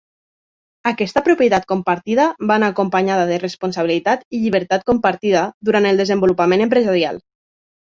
Aquesta propietat compartida va anar acompanyada de responsabilitat i llibertat compartida durant el desenvolupament empresarial.